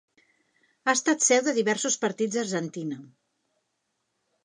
Ha estat seu de diversos partits d'Argentina.